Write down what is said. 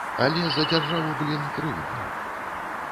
Але за дзяржаву, блін, крыўдна.